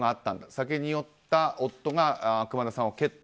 酒に酔った夫が熊田さんを蹴った。